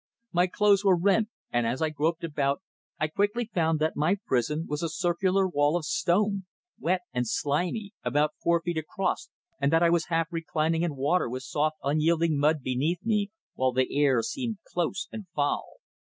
My clothes were rent, and as I groped about I quickly found that my prison was a circular wall of stone, wet and slimy, about four feet across, and that I was half reclining in water with soft, yielding mud beneath me, while the air seemed close and foul.